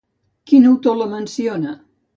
Quin autor la menciona?